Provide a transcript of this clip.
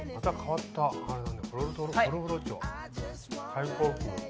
最高級。